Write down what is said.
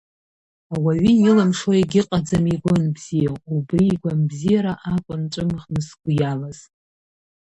Ауаҩы илымшо еигьыҟаӡам игәы анбзиоу, убри игәамбзиара акәын ҵәымӷны сгәы иалаз.